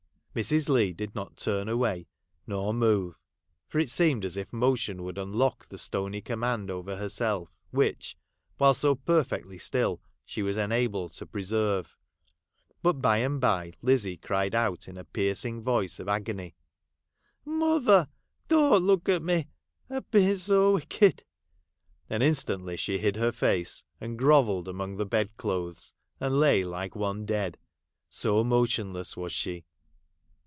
Mrs. Leigh did not turn away ; nor move. For it seemed as if motion would unlock the stony command over herself which, while so perfectly still, she was enabled to preserve. But by and bye Lizzie cried out in a piercing voice of agony —' Mother, don't look at me ! I have been so wicked !' and instantly she hid her face, and grovelled among the bedclothes, and lay like one dead — so motionless was she.